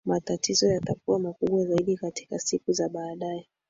Matatizo yatakuwa makubwa zaidi katika siku za baadae